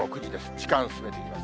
時間進めてみます。